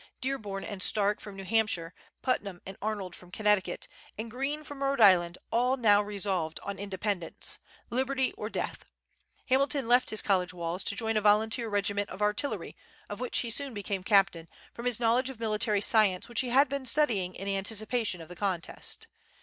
Dearborn and Stark from New Hampshire, Putnam and Arnold from Connecticut, and Greene from Rhode Island, all now resolved on independence, "liberty or death." Hamilton left his college walls to join a volunteer regiment of artillery, of which he soon became captain, from his knowledge of military science which he had been studying in anticipation of the contest.